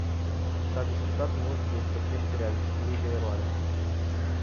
S-a discutat mult despre creșterea riscului de eroare.